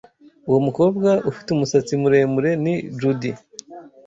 Uwo mukobwa ufite umusatsi muremure ni Judy.